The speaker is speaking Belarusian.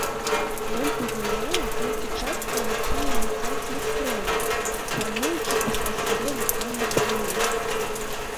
Ён паглынае толькі частка якія ляцяць электронаў, фармуючы пасля сябе электронны прамень.